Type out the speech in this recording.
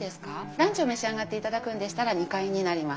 ランチを召し上がっていただくんでしたら２階になります。